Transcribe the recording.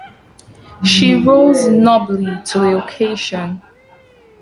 She rose nobly to the occasion.